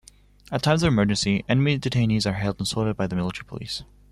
At times of emergency enemy detainees are held and sorted by the military police.